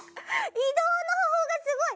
移動の方法がすごい！